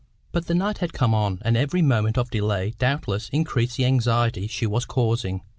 But the night had come on, and every moment of delay doubtless increased the anxiety she was causing.